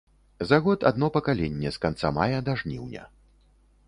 За год адно пакаленне з канца мая да жніўня.